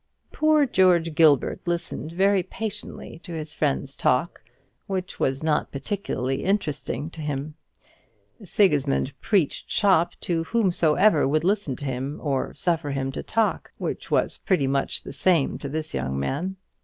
Poor George Gilbert listened very patiently to his friend's talk, which was not particularly interesting to him. Sigismund preached "shop" to whomsoever would listen to him, or suffer him to talk; which was pretty much the same to this young man.